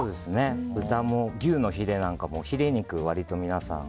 豚も牛のヒレなんかも、ヒレ肉割と皆さん